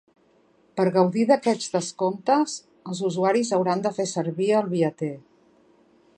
Per gaudir d'aquests descomptes, els usuaris hauran de fer servir el Via-T.